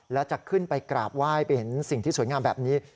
แล้วจะขึ้นไปกราบไหว้ไปเห็นสิ่งที่สวยงามแบบนี้